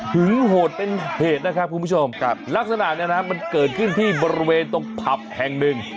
หึงโหดเป็นเหตุนะครับคุณผู้ชมลักษณะมันเกิดขึ้นที่บริเวณตรงผับแห่งหนึ่ง